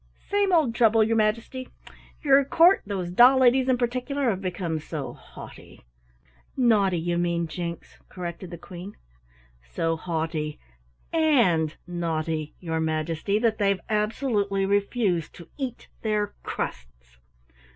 "Same old trouble, your Majesty. Your court, those doll ladies in particular, have become so haughty " "Naughty, you mean, Jinks," corrected the Queen. "So haughty and naughty, your Majesty, that they've absolutely refused to eat their crusts.